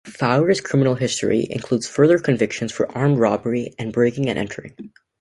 Faure's criminal history includes further convictions for armed robbery and breaking and entering.